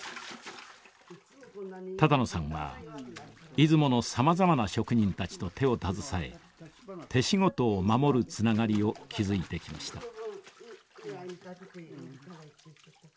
多々納さんは出雲のさまざまな職人たちと手を携え手仕事を守るつながりを築いてきました。